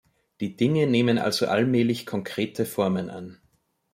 Die Dinge nehmen also allmählich konkrete Formen an.